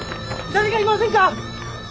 誰かいませんか？